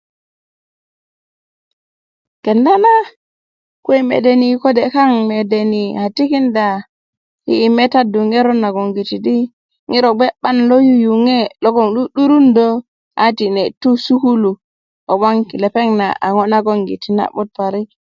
kenda na kuwe mede nii kode kaŋ mede ni a tikinda yi i metadu ŋerot naŋogiti di ŋiro gbe 'ban lo yuyuge loŋ 'du'durundä a tiné tu sukulu ko gboŋ lepeŋ na a goŋgiti a na 'but parik